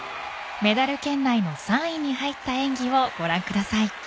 メダル圏内の３位に入った演技をご覧ください。